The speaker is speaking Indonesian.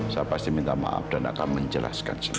saya pasti minta maaf dan akan menjelaskan semua